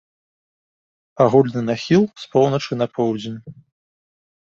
Агульны нахіл з поўначы на поўдзень.